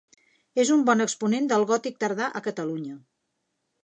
És un bon exponent del gòtic tardà a Catalunya.